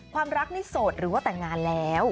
ความรักนี่โสดหรือว่าแต่งงานแล้ว